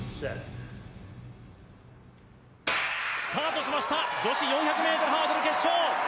スタートしました女子４００ｍハードル決勝。